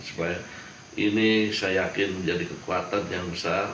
supaya ini saya yakin menjadi kekuatan yang besar